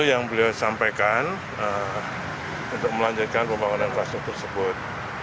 yang beliau sampaikan untuk melanjutkan pembangunan kelas tersebut